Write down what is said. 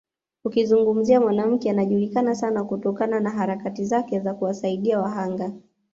Ukizungumzia mwanamke anajulikana sana kutokana na harakati zake za kuwasaidia wahanga